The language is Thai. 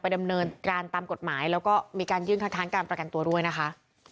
ดำเนินการตามกฎหมายแล้วก็มีการยื่นคัดค้านการประกันตัวด้วยนะคะ